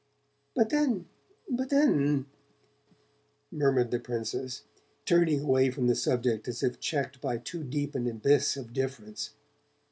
"But then but then " murmured the Princess, turning away from the subject as if checked by too deep an abyss of difference.